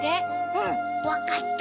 うんわかった。